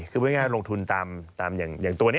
คือพูดง่ายลงทุนตามอย่างตัวนี้